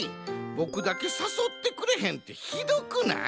ボクだけさそってくれへんってひどくない？